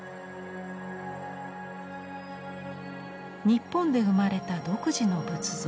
日本で生まれた独自の仏像。